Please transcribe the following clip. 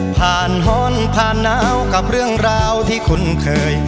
ผ่านหอนผ่านหนาวกับเรื่องราวที่คุ้นเคย